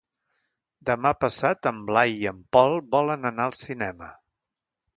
Demà passat en Blai i en Pol volen anar al cinema.